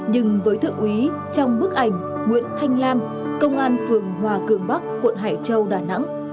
nhưng với thượng úy trong bức ảnh nguyễn thanh lam công an phường hòa cường bắc quận hải châu đà nẵng